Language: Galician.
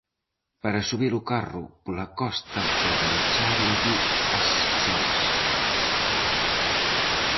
Para subir o carro pola costa engancháronlle as soles.